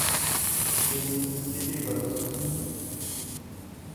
तिमी के के गर्न सक्छौ?